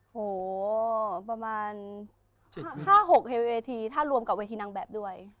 โหประมาณ๕๖เฮลเวทีถ้ารวมกับเวทีนางแบบด้วย